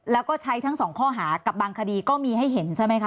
แล้วก็ใช้ทั้งสองข้อหากับบางคดีก็มีให้เห็นใช่ไหมคะ